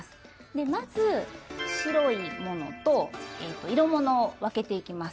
でまず白いものと色ものを分けていきます。